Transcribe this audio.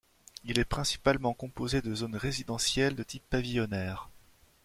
Il est principalement composé de zones résidentielles de type pavillonnaire.